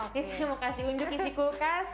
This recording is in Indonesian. saya mau kasih unjuk isi kulkas